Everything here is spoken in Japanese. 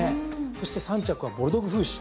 そして３着はボルドグフーシュ。